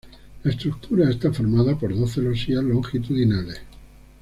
La estructura está formada por dos celosías longitudinales.